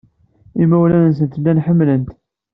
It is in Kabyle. Imawlan-nsent llan ḥemmlen-tt.